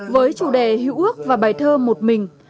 với chủ đề hữu ước và bài thơ một mình